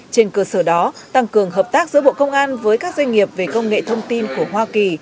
trên cơ sở đó tăng cường hợp tác giữa bộ công an với các doanh nghiệp về công nghệ thông tin của hoa kỳ